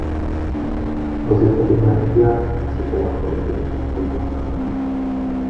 These resolution were met with opposition among the other delegates of the conference.